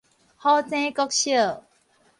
虎井國小